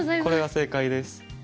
これが正解です。